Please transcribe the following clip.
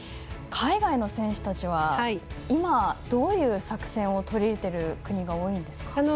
海外の選手たちは今、どういう作戦を取り入れてる国が多いんですか？